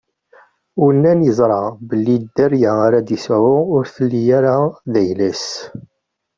Unan iẓra belli dderya ara d-isɛu ur tettili ara d ayla-s.